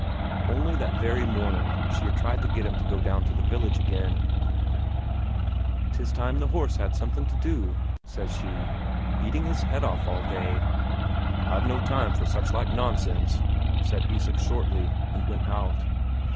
Only that very morning she had tried to get him to go down to the village again: "'Tis time the horse had something to do," says she. "Eating his head off all day." "I've no time for such like nonsense," said Isak shortly, and went out.